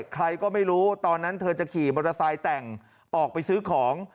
ใครก็ไม่รู้ตอนนั้นเธอจะขี่มอเตอร์ไซค์แต่งออกไปซื้อของ